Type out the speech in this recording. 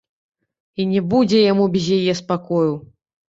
І не будзе яму без яе спакою!